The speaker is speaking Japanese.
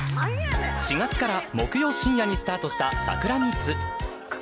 ４月から木曜深夜にスタートした『サクラミーツ』。